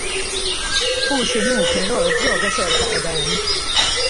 Hu x'inhu però d-droga xorta qiegħda hemm.